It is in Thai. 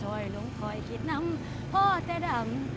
หลงคอยขีดน้ำพ่อแต่ดำ